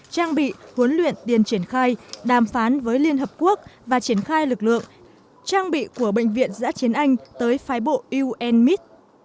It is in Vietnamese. trang bị huấn luyện tiền triển khai đàm phán với liên hợp quốc và triển khai lực lượng trang bị của bệnh viện giã chiến anh tới phái bộ unit